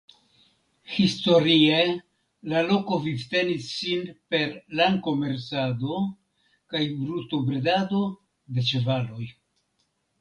Historie la loko vivtenis sin per lankomercado kaj brutobredado de ĉevaloj.